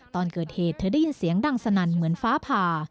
ตอนเกิดเหตุเธอได้ยินเสียงดังสนั่นเหมือนฟ้าผ่า